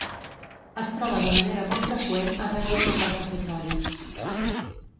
Es troba de manera molt freqüent arreu de tot el territori.